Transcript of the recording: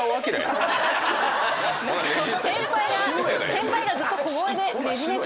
先輩がずっと小声で「ねじねじ？